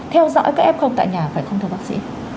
theo dõi các f tại nhà phải không thưa bác sĩ